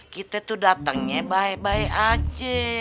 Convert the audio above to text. kita tuh datengin ya baik baik aja